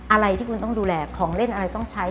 อะไรที่คุณต้องดูแลของเล่นอะไรต้องใช้